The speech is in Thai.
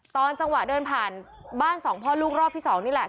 ตอนจังหวะเดินผ่านบ้านสองพ่อลูกรอบที่๒นี่แหละ